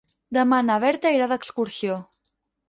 Demà na Berta irà d'excursió.